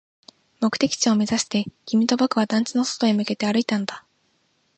目的地を目指して、君と僕は団地の外へ向けて歩いたんだ